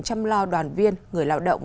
chăm lo đoàn viên người lao động